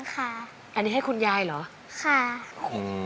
คุณยายแดงคะทำไมต้องซื้อลำโพงและเครื่องเสียง